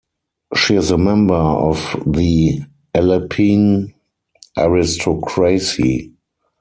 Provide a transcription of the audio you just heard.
She is a member of the Aleppine aristocracy.